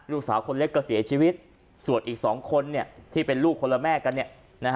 ลูกสาวคนเล็กก็เสียชีวิตส่วนอีก๒คนที่เป็นลูกคนละแม่กันเนี่ยนะฮะ